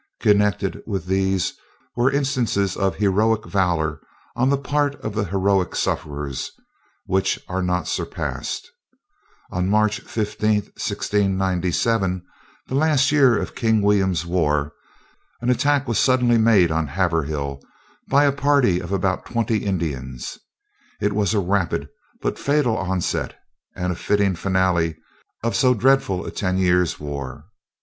Connected with these were instances of heroic valor on the part of the heroic sufferers, which are not surpassed. On March 15th, 1697, the last year of King William's war, an attack was suddenly made on Haverhill by a party of about twenty Indians. It was a rapid, but fatal onset, and a fitting finale of so dreadful a ten years' war.